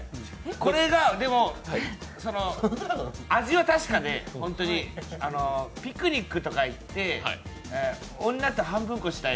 これが味は確かで、ピクニックとか行って女と半分こしたい。